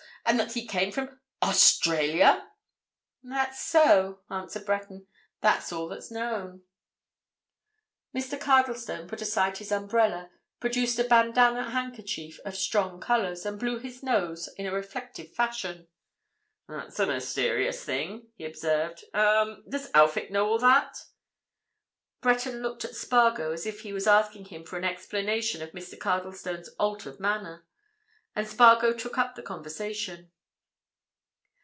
And that he came from—Australia?" "That's so," answered Breton. "That's all that's known." Mr. Cardlestone put aside his umbrella, produced a bandanna handkerchief of strong colours, and blew his nose in a reflective fashion. "That's a mysterious thing," he observed. "Um—does Elphick know all that?" Breton looked at Spargo as if he was asking him for an explanation of Mr. Cardlestone's altered manner. And Spargo took up the conversation.